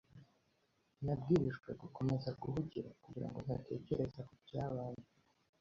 Nabwirijwe gukomeza guhugira, kugirango ntatekereza kubyabaye.